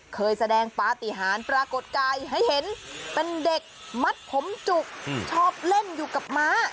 เคยแสดงปฏิหารปรากฏกายให้เห็นเป็นเด็กมัดผมจุกชอบเล่นอยู่กับม้า